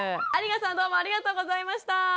有我さんどうもありがとうございました！